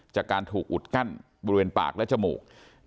จากการถูกอุดกั้นบริเวณปากและจมูก